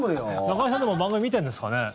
中居さんとか番組見てるんですかね？